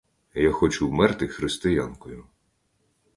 Я хочу вмерти християнкою!